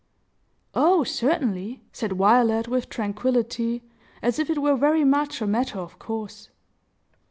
"Oh certainly," said Violet, with tranquillity, as if it were very much a matter of course.